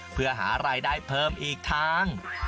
เพื่อหารายได้เพิ่มอีกทาง